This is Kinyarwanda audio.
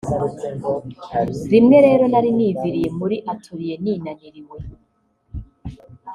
Rimwe rero nari niviriye muri atelier ninaniriwe